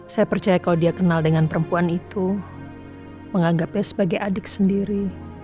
saya percaya kalau dia kenal dengan perempuan itu menganggapnya sebagai adik sendiri